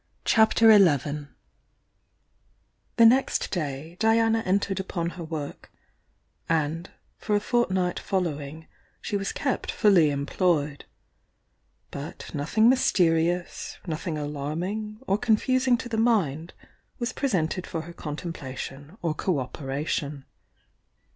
11 CPIAPTER XI The next day Diana entered upon her work, — and for a fortnight following she was kept fully em * ployed. But nothing mysterious, nothing alarming or confusing to the mind was presented for her con templation or co operation.